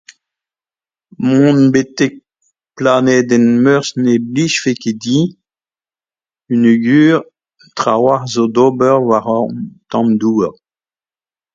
Mont betek planedenn Meurzh ne blijfe ket din peogwir trawalc'h 'zo d'ober war hon tamm douar